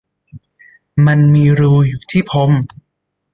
มันมีรูอยู่ที่พรม